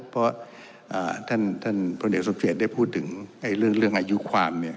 เพราะท่านพลเอกสมเกียจได้พูดถึงเรื่องอายุความเนี่ย